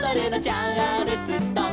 「チャールストン」